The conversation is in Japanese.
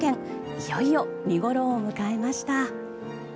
いよいよ、見ごろを迎えました。